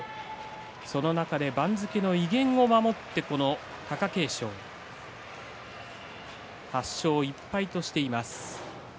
その中で番付の威厳を守ってこの貴景勝８勝１敗としています。